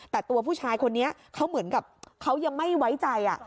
แต่ตัวผู้ชายคนนี้เขาเหมือนกับเขายังไม่ไว้ใจ